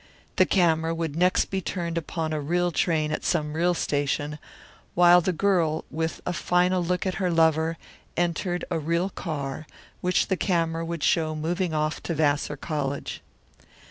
The camera would next be turned upon a real train at some real station, while the girl, with a final look at her lover, entered a real car, which the camera would show moving off to Vassar College.